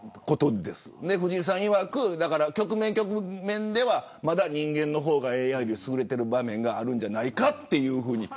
藤井さんいわく、局面局面ではまだ人間の方がＡＩより優れている場面があるんじゃないかと。